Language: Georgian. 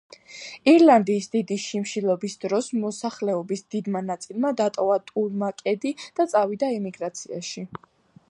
ირლანდიის დიდი შიმშილობის დროს მოსახლეობის დიდმა ნაწილმა დატოვა ტურმაკედი და წავიდა ემიგრაციაში.